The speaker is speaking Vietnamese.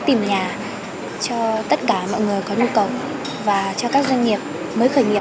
tìm nhà cho tất cả mọi người có nhu cầu và cho các doanh nghiệp mới khởi nghiệp